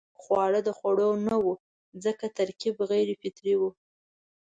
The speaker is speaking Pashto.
خواړه د خوړو نه وو ځکه ترکیب غیر فطري وو.